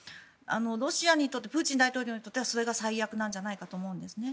ロシアにとってプーチン大統領にとってはそれが最悪なんじゃないかと思うんですね。